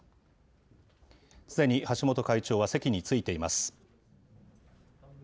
すでに橋本会長は席についています。